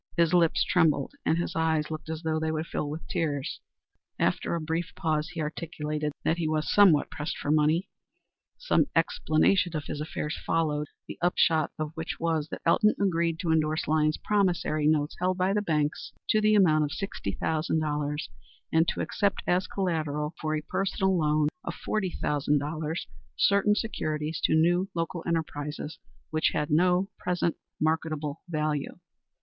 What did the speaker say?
His lip trembled and his eyes looked as though they would fill with tears. After a brief pause he articulated that he was somewhat pressed for ready money. Some explanation of his affairs followed, the upshot of which was that Elton agreed to indorse Lyons's promissory notes held by the banks to the amount of $60,000, and to accept as collateral for a personal loan of $40,000 certain securities of new local enterprises which had no present marketable value.